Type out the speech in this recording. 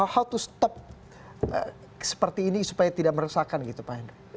how to stop seperti ini supaya tidak meresahkan gitu pak henry